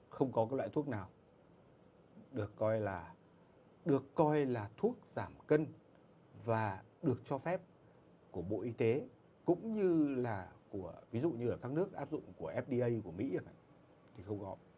một trăm linh không có loại thuốc nào được coi là thuốc giảm cân và được cho phép của bộ y tế cũng như là ví dụ như ở các nước áp dụng của fda của mỹ thì không có